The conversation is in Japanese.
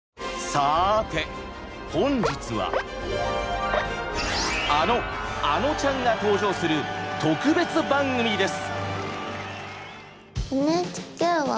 さて本日はあの「あのちゃん」が登場する特別番組です！